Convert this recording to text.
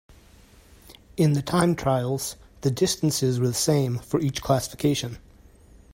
In the time trials, the distances were the same for each classification.